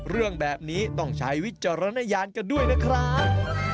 เรื่องแบบนี้ต้องใช้วิจารณญาณกันด้วยนะครับ